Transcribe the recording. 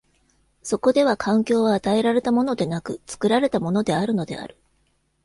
そこでは環境は与えられたものでなく、作られたものであるのである。